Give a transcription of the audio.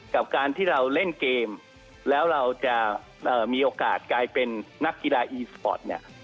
กับการที่เราเล่นเกมแล้วเราจะมีโอกาสกลายเป็นนักกีฬาอีสปอร์ตเนี่ย